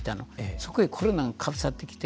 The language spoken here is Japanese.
そこへコロナがかぶさってきて。